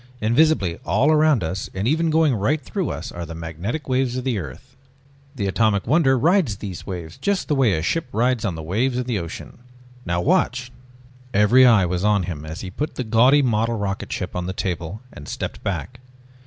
Invisibly all about us, and even going right through us, are the magnetic waves of the earth. The Atomic Wonder rides these waves just the way a ship rides the waves in the ocean. Now watch...." Every eye was on him as he put the gaudy model rocketship on top of the table and stepped back.